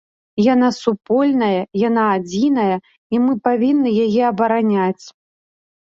Яна супольная, яна адзіная, і мы павінны яе абараняць.